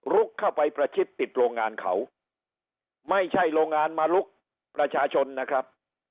เข้าไปประชิดติดโรงงานเขาไม่ใช่โรงงานมาลุกประชาชนนะครับ